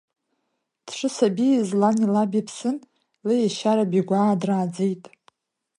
Дшысабиз лани лаби ԥсын, лиешьара Бигәаа драаӡеит.